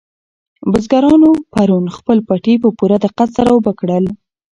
بزګرانو پرون خپل پټي په پوره دقت سره اوبه کړل.